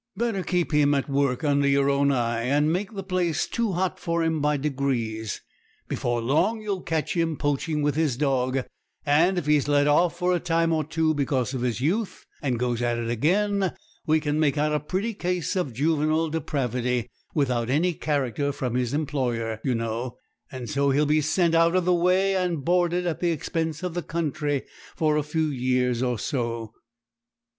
Better keep him at work under your own eye, and make the place too hot for him by degrees. Before long you will catch him poaching with his dog, and if he is let off for a time or two because of his youth, and goes at it again, we can make out a pretty case of juvenile depravity, without any character from his employer, you know; and so he will be sent out of the way, and boarded at the expense of the country for a few years or so.'